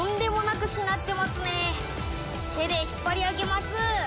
手で引っ張り上げます。